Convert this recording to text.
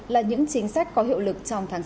là những chính sách có hiệu lực trong tháng sáu